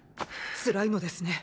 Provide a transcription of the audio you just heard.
つらいのですね